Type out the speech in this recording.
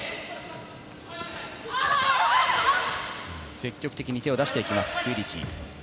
積極的に手を出していきますクイリチ。